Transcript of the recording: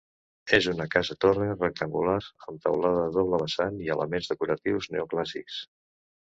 És una casa-torre rectangular, amb teulada a doble vessant i elements decoratius neoclàssics.